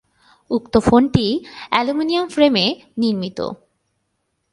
উক্ত ফোনটি aluminium frame নির্মিত।